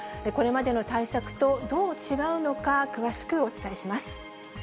これまでの対策とどう違うのか、詳しくお伝えします。